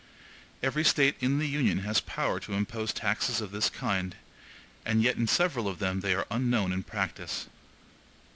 Every State in the Union has power to impose taxes of this kind; and yet in several of them they are unknown in practice.